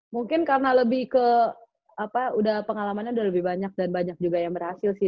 mungkin karena lebih ke apa udah pengalamannya udah lebih banyak dan banyak juga yang berhasil sih